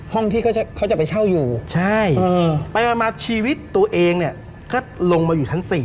ห้องที่เขาจะไปเช่าอยู่อเจมส์ใช่ไปมาชีวิตตัวเองก็ลงมาอยู่ชั้น๔